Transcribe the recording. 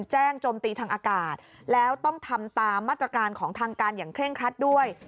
โจมตีทางอากาศแล้วต้องทำตามมาตรการของทางการอย่างเคร่งครัดด้วย